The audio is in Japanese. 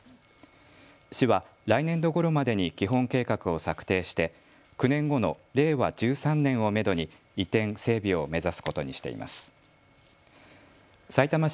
市は来年度ごろまでに基本計画を策定して、９年後の令和１３年をめどに移転・整備を目指すことにしています。